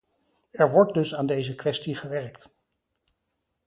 Er wordt dus aan deze kwestie gewerkt.